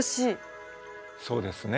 そうですね。